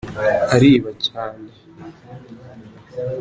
ariba cyane.